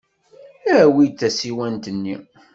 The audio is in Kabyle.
Awi-d tasiwant-nni.